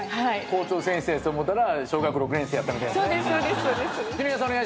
校長先生と思ったら小学６年生やったみたいなね。